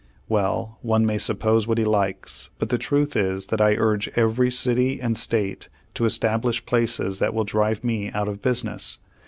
Well, one may suppose what he likes, but the truth is that I urge every city and State to establish places that will drive me out of business.